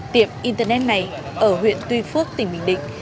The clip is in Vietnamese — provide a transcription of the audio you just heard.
tiệm internet này ở huyện tuy phước tỉnh bình định